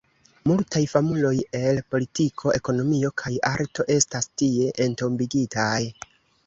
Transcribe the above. Multaj famuloj el politiko, ekonomio kaj arto estas tie entombigitaj.